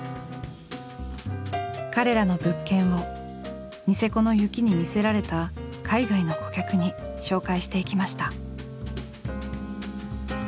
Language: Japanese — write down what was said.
彼らの物件をニセコの雪に魅せられた海外の顧客に紹介していきました。